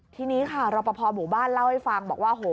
ที่นี้ค่ะรปภหมู่บ้านเล่าให้ฟัง